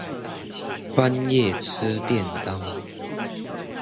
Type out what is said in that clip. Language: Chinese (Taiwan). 專業吃便當